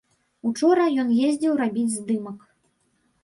Учора ён ездзіў рабіць здымак.